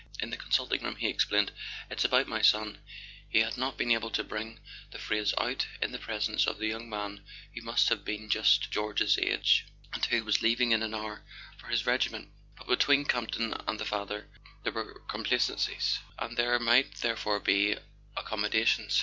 In the consulting room he explained: "It's about my son " He had not been able to bring the phrase out in the presence of the young man who must have been just George's age, and who was leaving in an hour for his regiment. But between Campton and the father there were complicities, and there might therefore be ac¬ commodations.